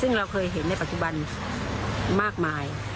ซึ่งเราเคยเห็นในปัจจุบันมากมาย